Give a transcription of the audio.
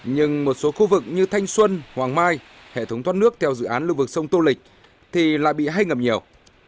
nhưng một số khu vực như thanh xuân hoàng mai hệ thống thoát nước theo dự án lưu vực sông tô lịch thì lại bị hay ngầm nhiều